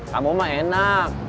kamu mah enak